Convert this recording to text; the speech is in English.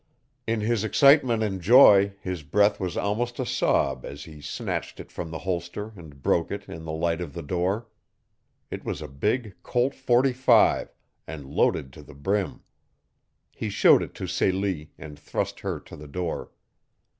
In his excitement and joy his breath was almost a sob as he snatched it from the holster and broke it in the light of the door. It was a big Colt Forty five and loaded to the brim. He showed it to Celie, and thrust her to the door.